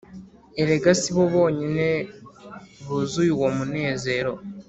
Erega sibo bonyine buzuye uwo munezero